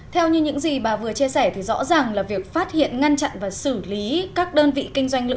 theo như những gì bà vừa chia sẻ thì rõ ràng là việc phát hiện ngăn chặn và xử lý các đơn vị kinh doanh lựa